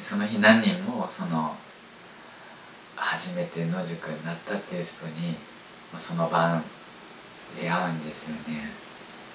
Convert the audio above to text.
その日何人も初めて野宿になったっていう人にその晩出会うんですよね。